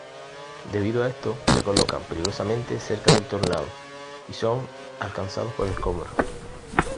Debido a esto, se colocan peligrosamente cerca del tornado y son alcanzados por escombros.